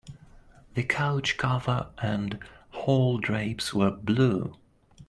The couch cover and hall drapes were blue.